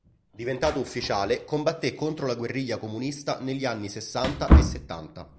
Diventato ufficiale, combatté contro la guerriglia comunista negli anni sessanta e settanta.